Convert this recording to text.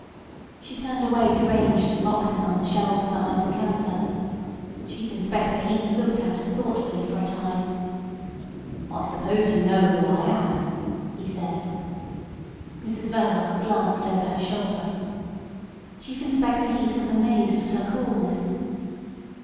She turned away to range some boxes on the shelves behind the counter. Chief Inspector Heat looked at her thoughtfully for a time. "I suppose you know who I am?" he said. Mrs Verloc glanced over her shoulder. Chief Inspector Heat was amazed at her coolness.